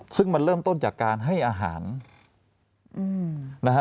ซึ่งมันเริ่มต้นจากการให้อาหารนะฮะ